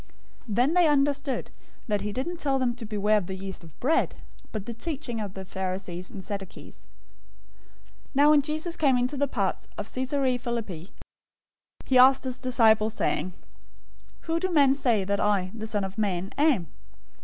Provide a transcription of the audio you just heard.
016:012 Then they understood that he didn't tell them to beware of the yeast of bread, but of the teaching of the Pharisees and Sadducees. 016:013 Now when Jesus came into the parts of Caesarea Philippi, he asked his disciples, saying, "Who do men say that I, the Son of Man, am?"